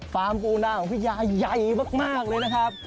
ปูนาของพี่ยาใหญ่มากเลยนะครับ